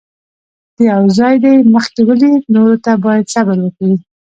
که یو ځای دې مخکې ولید، نورو ته باید صبر وکړې.